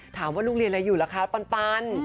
ถามว่าลูกเรียนอะไรอยู่ล่ะคะปัน